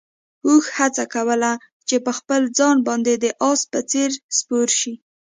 اوښ هڅه کوله چې په خپل ځان باندې د اس په څېر سپور شي.